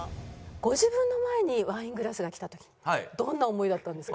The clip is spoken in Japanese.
ご自分の前にワイングラスが来た時どんな思いだったんですか？